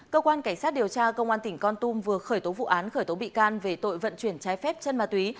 cơ quan cảnh sát điều tra công an tỉnh con tum vừa khởi tố vụ án khởi tố bị can về tội vận chuyển trái phép chân ma túy